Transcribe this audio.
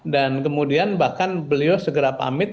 dan kemudian bahkan beliau segera pamit